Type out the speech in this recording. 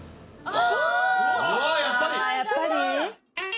ああやっぱり？